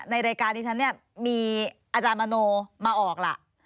ในรายการที่ฉันเนี่ยมีอาจารย์มโนมาออกล่ะ